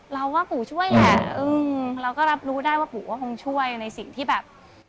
เราก็รับรู้ได้ว่าปู่คงช่วยในสิ่งที่แบบ